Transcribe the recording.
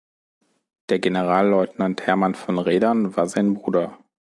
Der Generalleutnant Hermann von Redern war sein Bruder.